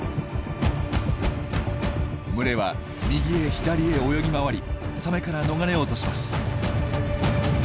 群れは右へ左へ泳ぎ回りサメから逃れようとします。